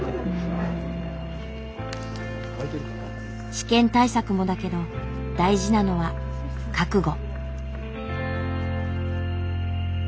試験対策もだけど大事なのは覚悟。